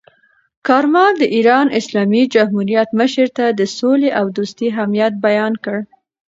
کارمل د ایران اسلامي جمهوریت مشر ته د سولې او دوستۍ اهمیت بیان کړ.